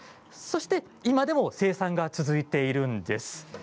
今でも生産が続いているんです。